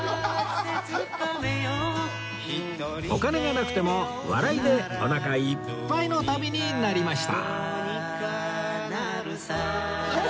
お金がなくても笑いでおなかいっぱいの旅になりました